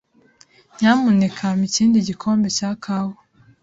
Nyamuneka mpa ikindi gikombe cya kawa.